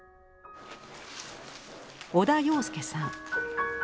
小田洋介さん。